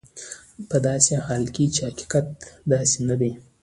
په داسې حال کې چې حقیقت داسې نه دی.